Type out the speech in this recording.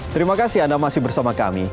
terima kasih anda masih bersama kami